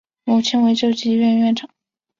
母亲为救济医院院长。